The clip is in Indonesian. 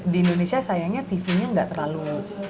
di indonesia sayangnya tv nya nggak terlalu